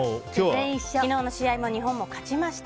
昨日の試合も日本が勝ちました。